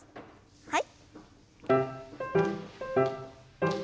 はい。